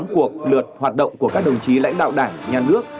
hai năm trăm năm mươi tám cuộc lượt hoạt động của các đồng chí lãnh đạo đảng nhà nước